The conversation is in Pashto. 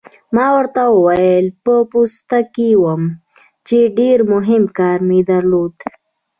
ما ورته وویل: په پوسته کې وم، چې ډېر مهم کار مې درلود.